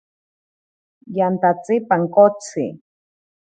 Yantatsi pankotsi.